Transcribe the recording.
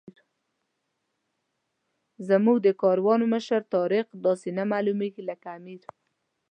زموږ د کاروان مشر طارق داسې نه معلومېږي لکه امیر.